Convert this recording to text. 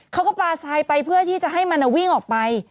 เขาก็ปลาทรายไปเพื่อที่จะให้มันวิ่งออกไป